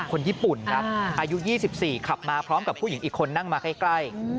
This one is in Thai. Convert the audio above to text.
คนญี่ปุ่นครับอายุ๒๔ขับมาพร้อมกับผู้หญิงอีกคนนั่งมาใกล้